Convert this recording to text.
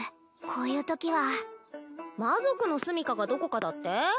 こういうときは魔族のすみかがどこかだって？